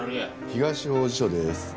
東王子署です。